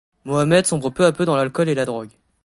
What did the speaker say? Mohamed sombre peu à peu dans l'alcool et la drogue.